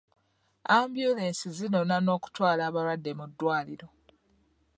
Ambyulensi zinona n'okutwala abalwadde mu ddwaliro.